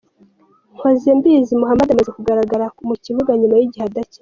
Mpozembizi Mohammed amaze kugaruka mu kibuga nyuma y'igihe adakina.